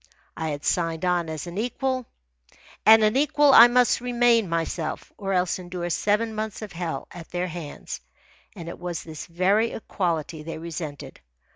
I had signed on as an equal, and an equal I must maintain myself, or else endure seven months of hell at their hands. And it was this very equality they resented.